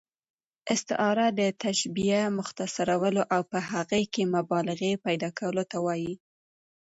استعاره د تشبیه، مختصرولو او په هغې کښي مبالغې پیدا کولو ته وايي.